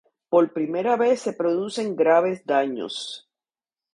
Por primera vez se producen graves daños.